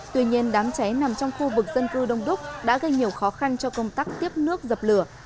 tuy nhiên đám cháy nằm trong khu vực dân cư đông đúc đã gây nhiều khó khăn cho công tác tiếp nước dập lửa